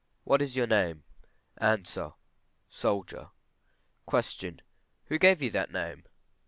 _ What is your name? Answer. Soldier. Q. Who gave you that name?